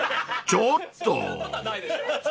［ちょっと！］